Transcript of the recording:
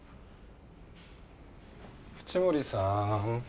淵森さん。